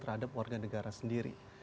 terhadap warga negara sendiri